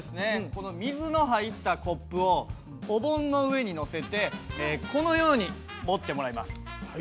この水の入ったコップをお盆の上に載せてこのように持ってもらいます。